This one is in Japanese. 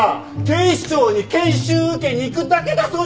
警視庁に研修受けに行くだけだそうじゃない！